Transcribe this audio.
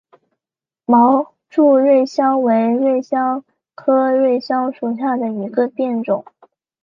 毛柱瑞香为瑞香科瑞香属下的一个变种。